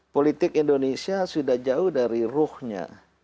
politik indonesia sudah jauh dari ruhnya